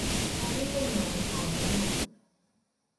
تاریخ نامه خوانا نبود.